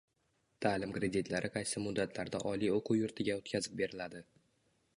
Ta’lim kreditlari qaysi muddatlarda oliy o‘quv yurtiga o‘tkazib beriladi?